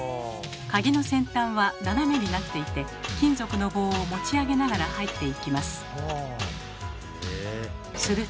鍵の先端は斜めになっていて金属の棒を持ち上げながら入っていきます。